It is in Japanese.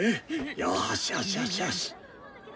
よしよしよしよし！